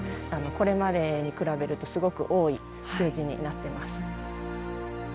これまでに比べるとすごく多い数字になってます。